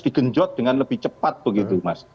digenjot dengan lebih cepat begitu mas